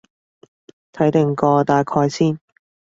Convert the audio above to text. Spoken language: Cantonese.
睇定個大概先